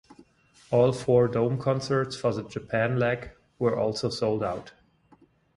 All four dome concerts for the Japan leg were also sold out.